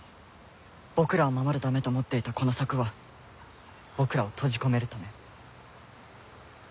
僕らを守るためと思っていたこの柵は僕らを閉じ込めるため。